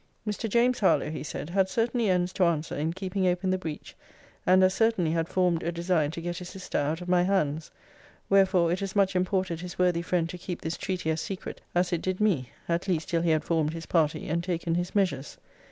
Mr. James Harlowe, he said, had certainly ends to answer in keeping open the breach; and as certainly had formed a design to get his sister out of my hands. Wherefore it as much imported his worthy friend to keep this treaty as secret, as it did me; at least till he had formed his party, and taken his measures.